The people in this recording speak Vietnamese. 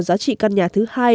giá trị căn nhà thứ hai